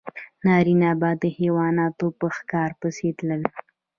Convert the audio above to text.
نارینه به د حیواناتو په ښکار پسې تلل.